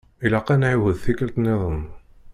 Ilaq ad nɛiwed tikelt-nniḍen.